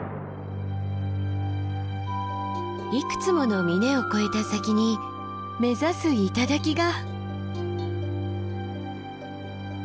いくつもの峰を越えた先に目指す頂が！